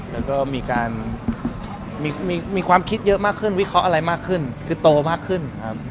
แล้วก็มีการมีความคิดเยอะมากขึ้นวิเคราะห์อะไรมากขึ้นคือโตมากขึ้น